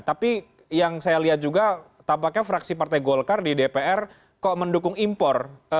tapi yang saya lihat juga tampaknya fraksi partai golkar di dpr kok mendukung impor